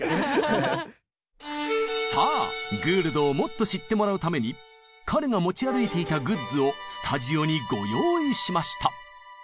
さあグールドをもっと知ってもらうために彼が持ち歩いていたグッズをスタジオにご用意しました！